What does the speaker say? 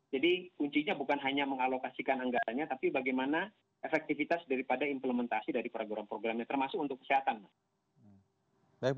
jadi kuncinya bukan hanya mengalokasikan anggarannya tapi bagaimana efektivitas daripada implementasi dari program programnya termasuk untuk kesehatan